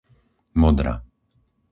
Modra